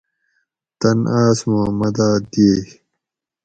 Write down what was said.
تن آۤس ما مداۤد دیئیٔ